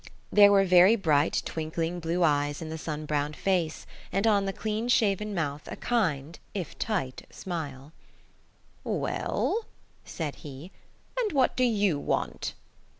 There were very bright twinkling blue eyes in the sun browned face, and on the clean shaven mouth a kind, if tight, smile. "Well," said he, "and what do you want?"